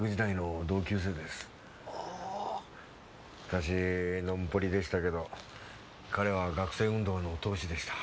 私ノンポリでしたけど彼は学生運動の闘士でした。